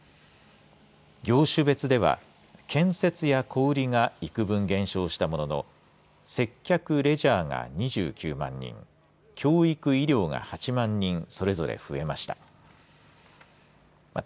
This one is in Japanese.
業種別では建設や小売りがいくぶん減少したものの接客・レジャーが２９万人教育・医療が８万人それぞれ増えました。